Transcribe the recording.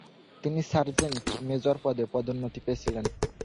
তিনি sergeant major পদে পদোন্নতি পেয়েছিলেন।